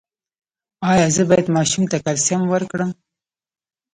ایا زه باید ماشوم ته کلسیم ورکړم؟